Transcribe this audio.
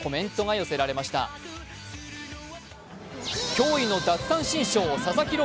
驚異の奪三振ショー佐々木朗